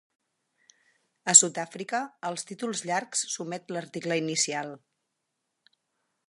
A Sud-àfrica, als títols llargs s'omet l'article inicial.